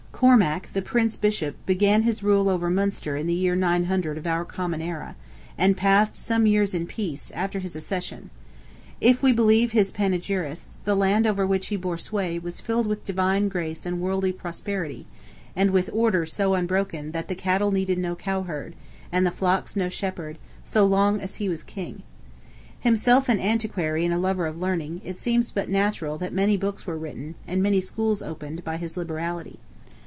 Cormac, the Prince Bishop, began his rule over Munster in the year 900 of our common era, and passed some years in peace, after his accession. If we believe his panegyrists, the land over which he bore sway, "was filled with divine grace and worldly prosperity," and with order so unbroken, "that the cattle needed no cowherd, and the flocks no shepherd, so long as he was king." Himself an antiquary and a lover of learning, it seems but natural that "many books were written, and many schools opened," by his liberality.